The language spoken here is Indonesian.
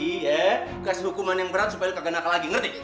dikasih hukuman yang berat supaya lo kagak naka lagi ngerti